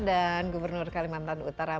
dan gubernur kalimantan utara